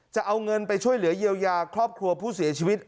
จะเอาเงินไปช่วยเหลือเยียวยาครอบครัวผู้เสียชีวิต